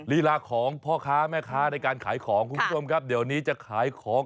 รีลาของพ่อค้าแม่คะในการขายของ